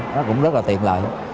nó cũng rất là tiện lợi